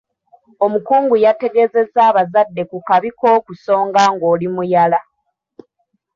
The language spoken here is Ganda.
Omukungu yategeezezza abazadde ku kabi k'okusonga ng'oli muyala.